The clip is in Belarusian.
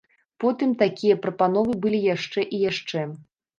Потым такія прапановы былі яшчэ і яшчэ.